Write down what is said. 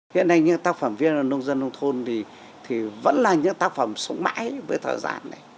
hiện nay những tác phẩm viết về nông dân nông thôn thì vẫn là những tác phẩm sống mãi với thời gian này